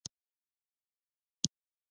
څنګه کولی شم د روژې پر مهال وزن کم کړم